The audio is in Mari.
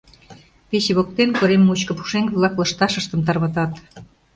Пече воктен корем мучко пушеҥге-влак лышташыштым тарватат.